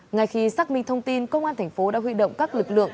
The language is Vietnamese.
ngay khi xác minh thông tin công an tp thuận an đã huy động các lực lượng